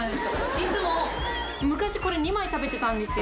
いつも、昔これ、２枚食べてたんですよ。